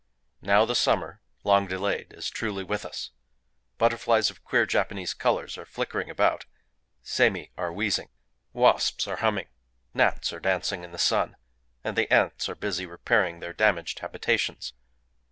Now the summer, long delayed, is truly with us: butterflies of queer Japanese colors are flickering about; semi (1) are wheezing; wasps are humming; gnats are dancing in the sun; and the ants are busy repairing their damaged habitations...